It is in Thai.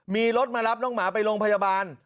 มีรถมารับน้องหมาไปโรงพยาบาล